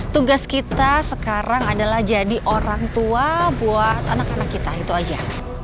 tugas kita sekarang adalah jadi orang tua buat anak anak kita itu aja